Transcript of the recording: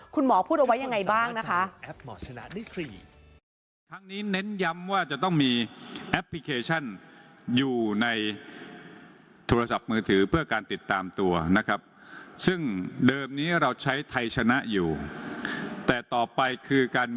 คุณหมอพูดเอาไว้ยังไงบ้างนะคะ